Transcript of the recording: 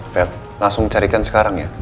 pep langsung carikan sekarang ya